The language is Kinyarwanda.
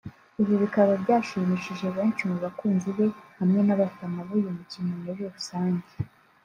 Ibi bikaba byashimishije benshi mu bakunzi be hamwe n'abafana b'uyu mukino muri rusange